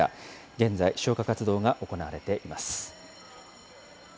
現在、消火活動が行われています。